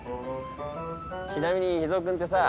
ちなみに脾ぞう君ってさ。